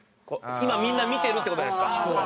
今みんな見てるっていう事じゃないですか。